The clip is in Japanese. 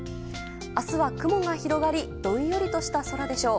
明日は雲が広がりどんよりとした空でしょう。